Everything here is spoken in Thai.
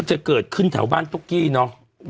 จะเกิดขึ้นแถวบ้านตุ๊กกี้เนอะ